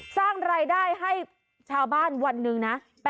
สร้างรายได้ให้ชาวบ้านวันหนึ่งนะ